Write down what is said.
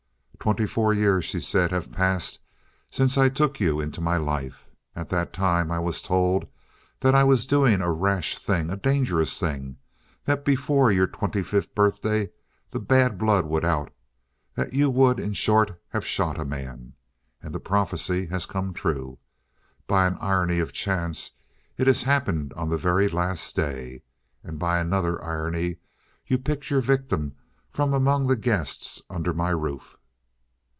"Twenty four years," she said, "have passed since I took you into my life. At that time I was told that I was doing a rash thing, a dangerous thing that before your twenty fifth birthday the bad blood would out; that you would, in short, have shot a man. And the prophecy has come true. By an irony of chance it has happened on the very last day. And by another irony you picked your victim from among the guests under my roof!"